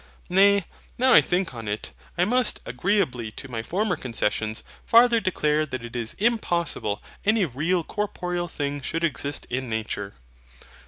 Nay, now I think on it, I must, agreeably to my former concessions, farther declare that it is impossible any REAL corporeal thing should exist in nature.